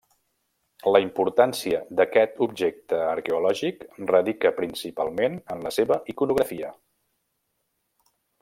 La importància d'aquest objecte arqueològic radica principalment en la seva iconografia.